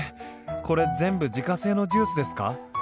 これ全部自家製のジュースですか？